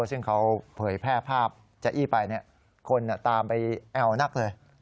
ซึ่งเขาเผยแพร่ภาพเจ้าอี้ไปคนตามไปแอวนักเลย